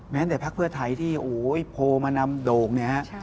แม้แต่ภาคเพื่อไทยที่โผล่มานำโด่งเนี่ย